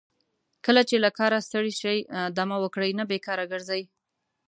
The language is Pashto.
کله چې له کاره ستړي شئ دمه وکړئ نه بیکاره ګرځئ.